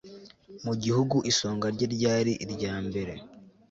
mu gihugu, isonga rye ryari iryambere